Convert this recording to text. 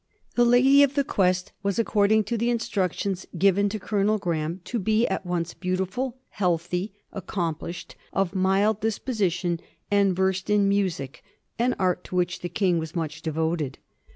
The lady of the quest was, according to the instructions given to Colonel Graeme, to be at once beautiful, healthy, accomplished, of mild disposition, and versed in music, an art to which the King was much devoted.